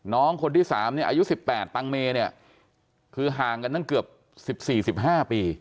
น้องคนที่๓อายุ๑๘ตังเมคือห่างกันตั้งเกือบ๑๔๑๕ปี